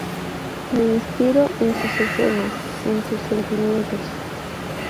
Me inspiro en sus escenas, en sus sentimientos.